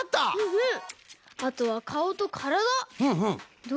うん。